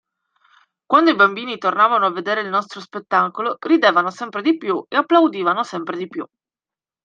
Quando i bambini tornavano a vedere il nostro spettacolo ridevano sempre di più e applaudivano sempre di più.